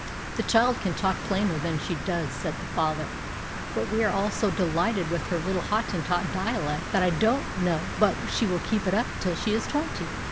"The child can talk plainer than she does," said the father, "but we are all so delighted with her little Hottentot dialect, that I don't know but she will keep it up till she is twenty."